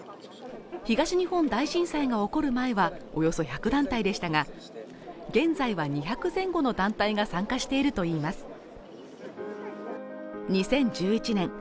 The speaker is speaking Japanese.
東日本大震災が起こる前はおよそ１００団体でしたが現在は２００前後の団体が参加しているといいます